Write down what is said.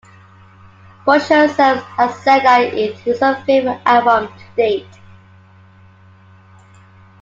Bush herself has said that it was her favourite album to date.